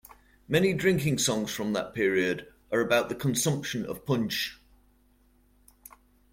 Many drinking songs from that period are about the consumption of punsch.